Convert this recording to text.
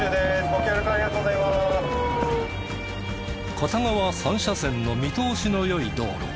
片側三車線の見通しの良い道路。